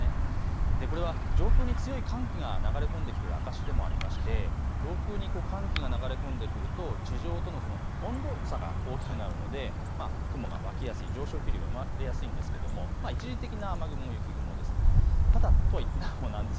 これは上空に強い寒気が流れ込んできている証しでもあって上空に寒気が流れ込んでくると地上との温度差が大きくなるので雲が起きやすい、上昇気流が生まれやすいんですが一時的な雨雲、雪雲です。